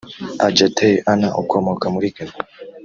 Adjetey Annan ukomoka muri Ghana